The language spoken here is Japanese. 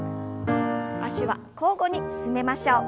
脚は交互に進めましょう。